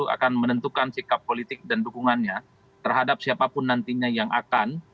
akan menentukan sikap politik dan dukungannya terhadap siapapun nantinya yang akan